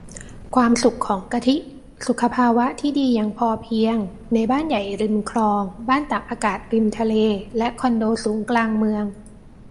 ความสุขของกะทิ สุขภาวะที่ดีอย่างพอเพียง ในบ้านใหญ่ริมคลอง บ้านตากอากาศริมทะเล และคอนโดสูงกลางเมือง